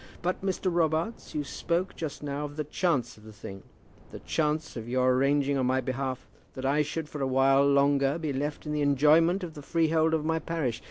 But, Mr. Robarts, you spoke just now of the chance of the thing, the chance of your arranging on my behalf that I should for a while longer be left in the enjoyment of the freehold of my parish.